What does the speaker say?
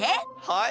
はい？